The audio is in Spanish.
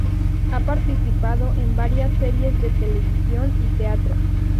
Ha participado en varias series de televisión y teatro.